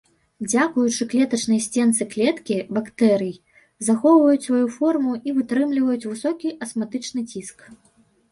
Дзякуючы клетачнай сценцы клеткі бактэрый захоўваюць сваю форму і вытрымліваюць высокі асматычны ціск.